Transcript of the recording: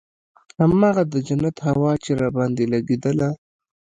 هماغه د جنت هوا چې راباندې لګېدله.